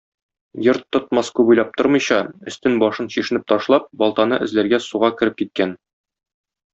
Йорт тотмас күп уйлап тормыйча, өстен-башын чишенеп ташлап, балтаны эзләргә суга кереп киткән.